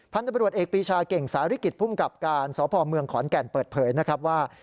ตำรวจเอกปีชาเก่งสาริกิจภูมิกับการสพเมืองขอนแก่นเปิดเผยนะครับว่า